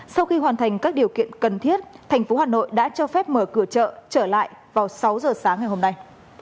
sau khi hoàn thành các điều kiện cần thiết thành phố hà nội đã cho phép mở cửa chợ trở lại vào sáu giờ sáng ngày hôm nay